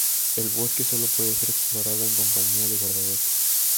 El bosque solo puede ser explorado en compañía de guardabosques.